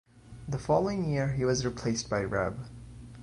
The following year he was replaced by Rev.